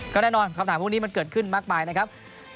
ก็แน่นอนคำถามพวกนี้มันเกิดขึ้นมากมายนะครับ